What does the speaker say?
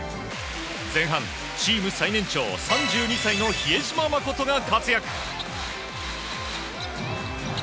前半、チーム最年長３２歳の比江島慎が活躍。